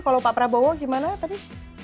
kalau pak prabowo gimana tadi